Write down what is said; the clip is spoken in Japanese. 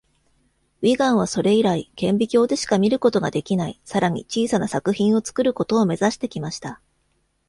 ウィガンはそれ以来、顕微鏡でしか見ることができない、さらに小さな作品を作ることを目指してきました。